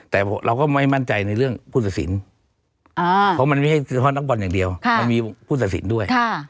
แต่เราก็ไม่มั่นใจในเรื่องผู้ตัดสินเพราะมันไม่ใช่เฉพาะนักบอลอย่างเดียวมันมีผู้ตัดสินด้วย